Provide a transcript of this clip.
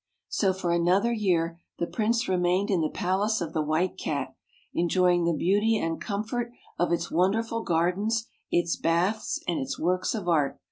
So for another year, the Prince remained in the palace of the White Cat, enjoying the beauty and comfort of its wonderful gardens, its baths, and its works of art.